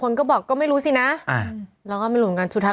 ถูกต้องถูกต้องถูกต้องถูกต้องถูกต้องถูกต้อง